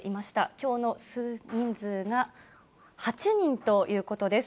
きょうの人数が８人ということです。